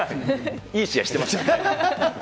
いい試合してました。